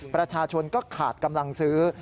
ประชาชนก็ขาดกำลังซื้อ